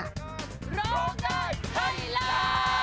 ร้องได้ให้ล้าน